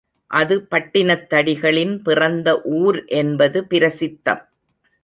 அது பட்டினத்தடிகளின் பிறந்த ஊர் என்பது பிரசித்தம்.